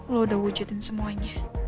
lo udah wujudin semuanya